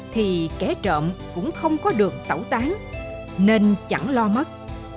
thì kẻ trộm cũng không có được tẩu tán nên chẳng lo mất